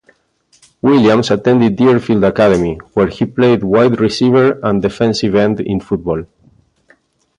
Williams attended Deerfield Academy, where he played wide receiver and defensive end in football.